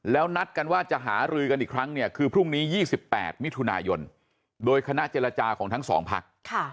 แล้วนัดกันว่าจะหารือกันอีกครั้งเนี่ยคือพรุ่งนี้๒๘มิถุนายนโดยคณะเจรจาของทั้งสองพัก